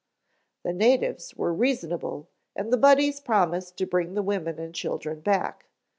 "The natives were reasonable and the Buddies promised to bring the women and children back.